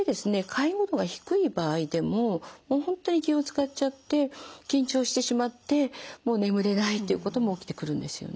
介護度が低い場合でも本当に気を遣っちゃって緊張してしまってもう眠れないっていうことも起きてくるんですよね。